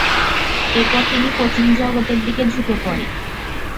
এরপর তিনি কোচিং জগতের দিকে ঝুঁকে পড়েন।